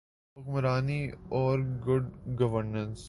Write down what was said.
حکمرانی اورگڈ گورننس۔